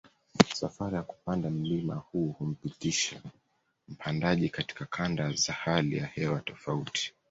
Safari ya kupanda mlima huu humpitisha mpandaji katika kanda za hali ya hewa tofauti